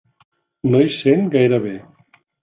No hi sent gaire bé.